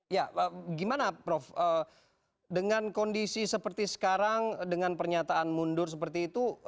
ya gimana prof dengan kondisi seperti sekarang dengan pernyataan mundur seperti itu